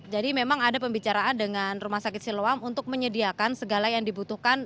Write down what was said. jadi memang ada pembicaraan dengan rumah sakit siluam untuk menyediakan segala yang dibutuhkan